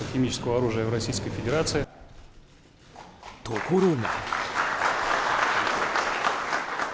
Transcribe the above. ところが。